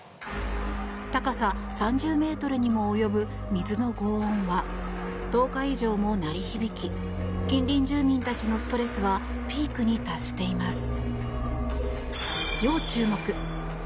高さ３０ｍにも及ぶ水の轟音は１０日以上も鳴り響き近隣住民たちのストレスはピークに達しています。